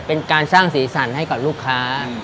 เป็นการสร้างสีสันให้กับลูกค้า